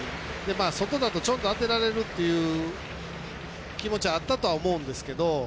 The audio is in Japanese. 外だとちょんと当てられるっていう気持ちはあったと思うんですけど。